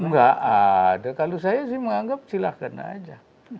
tidak ada kalau saya sih menganggap silakan saja